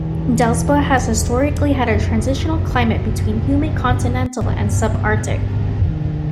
Delsbo has historically had a transitional climate between humid continental and subarctic.